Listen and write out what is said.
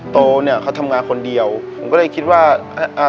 โทเขาทำงานคนเดียวผมก็เลยคิดว่าอ่ะ